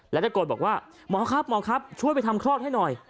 แล้วตะโกนบอกว่าหมอครับหมอครับช่วยไปทำคลอดให้หน่อย